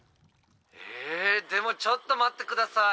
「えでもちょっと待って下さい！